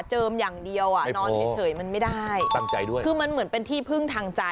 เจิมอย่างเดียวนอนเฉยมันไม่ได้คือมันเหมือนเป็นที่พึ่งทางใจ